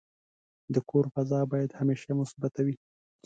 د کور فضا باید همیشه مثبته وي.